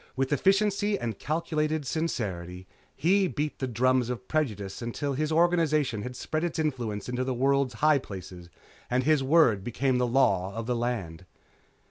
With efficiency and calculated sincerity, he beat the drums of prejudice until his organization had spread its influence into the world's high places and his word became the law of the land.